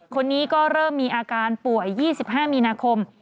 คนนี้ก็เริ่มมีอาการป่วย๒๕มีนาคม